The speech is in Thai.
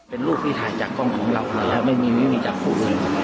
เป็นรูปที่ถ่ายจากกล้องของเราครับไม่มีไม่มีจากกุฎ